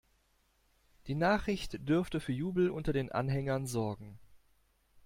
Die Nachricht dürfte für Jubel unter den Anhängern sorgen.